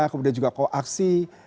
kemudian juga koaksi